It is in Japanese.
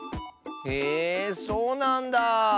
えそうなんだ。